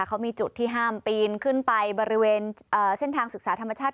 เขามีจุดที่ห้ามปีนขึ้นไปบริเวณเส้นทางศึกษาธรรมชาติ